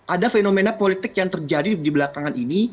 ada fenomena politik yang terjadi di belakangan ini